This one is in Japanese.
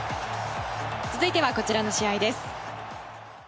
続いては、こちらの試合です。